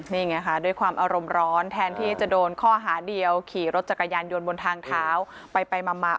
นี่ไงค่ะด้วยความอารมณ์ร้อนแทนที่จะโดนข้อหาเดียวขี่รถจักรยานยนต์บนทางเท้าไปไปมามา